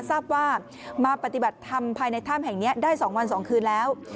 ทราบว่ามาปฏิบัติธรรมภายในถ้ำแห่งนี้ได้๒วัน๒คืนแล้ว